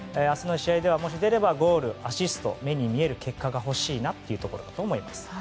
明日の試合でもし出ればゴール、アシスト目に見える結果が欲しいというところです。